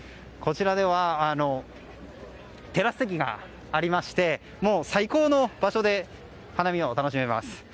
こちらではテラス席がありましてもう最高の場所で花見を楽しめます。